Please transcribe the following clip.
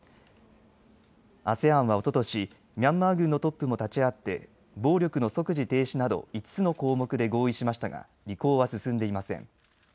ＡＳＥＡＮはおととし、ミャンマー軍のトップも立ち会って暴力の即時停止など５つの項目で合意しましたが履行は進んでいません。